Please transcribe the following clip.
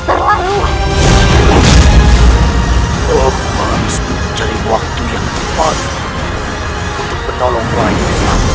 selassie bangun selassie